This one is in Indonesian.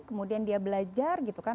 kemudian dia belajar gitu kan